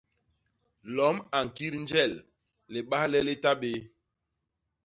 Lom a ñkit njel libahle li ta bé.